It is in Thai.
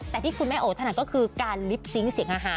แต่ที่คุณแม่โอถนัดก็คือการลิปซิงค์เสียงอาหาร